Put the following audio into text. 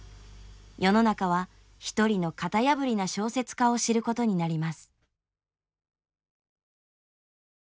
世の中は一人の型破りな小説家を知ることになります。